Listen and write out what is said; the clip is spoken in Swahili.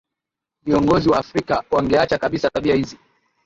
viongozi wa afrika wangeacha kabisa tabia hizi